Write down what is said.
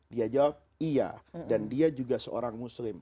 dia jawab iya dan dia juga seorang muslim